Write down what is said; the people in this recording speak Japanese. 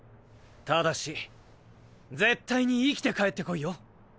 ただし絶対に生きて帰ってこいよ！